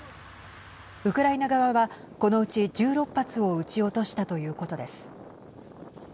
ウクライナ側はこのうち１６発を撃ち落としたということです。